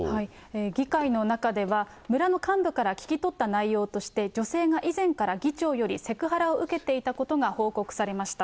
議会の中では、村の幹部から聞き取った内容として、女性が以前から議長よりセクハラを受けていたことが報告されました。